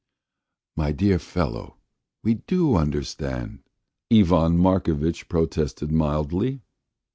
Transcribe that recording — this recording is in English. "My dear fellow, we do understand," Ivan Markovitch protested mildly.